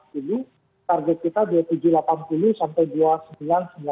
target kita dua ribu tujuh ratus delapan puluh sampai dua ribu sembilan ratus sembilan puluh